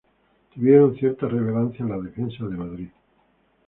Tuvieron cierta relevancia en la Defensa de Madrid.